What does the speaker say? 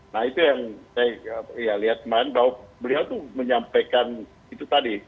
nah itu yang saya lihat kemarin bahwa beliau itu menyampaikan itu tadi